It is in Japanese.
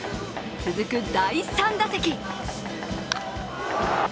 続く第３打席。